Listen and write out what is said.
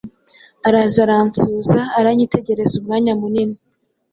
araza aransuhuza, aranyitegereza umwanya munini